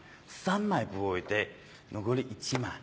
３枚ブ置いて残り１枚。